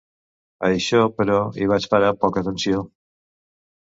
A això, però, hi vaig parar poca atenció.